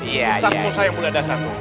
ustaz musa yang muda dasar